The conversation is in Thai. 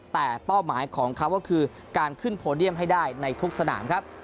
แต่เป้าหมายของเขาก็คือการขึ้นโพเดียมให้ได้ในทุกสนามครับ